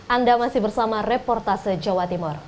anda masih bersama reportase jawa timur